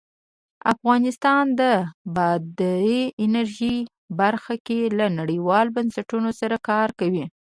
افغانستان د بادي انرژي برخه کې له نړیوالو بنسټونو سره کار کوي.